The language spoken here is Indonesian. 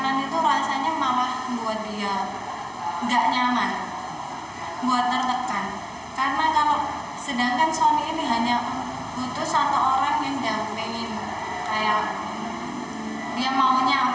pikirannya aja yang dibuat enjoy buat senang